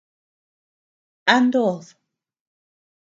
¿ A nood?